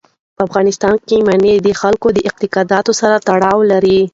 په افغانستان کې منی د خلکو د اعتقاداتو سره تړاو لري.